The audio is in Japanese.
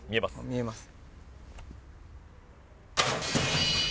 見えます。